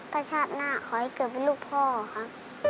ถ้าชาติหน้าขอให้เกิดเป็นลูกพ่อครับ